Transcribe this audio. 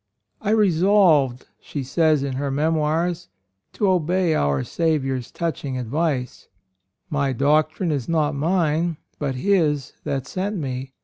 "I resolved," she says in her memoirs, "to obey our Saviour's touching advice: 'My doctrine is not Mine but His that sent Me.